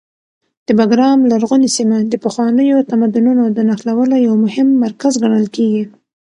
د بګرام لرغونې سیمه د پخوانیو تمدنونو د نښلولو یو مهم مرکز ګڼل کېږي.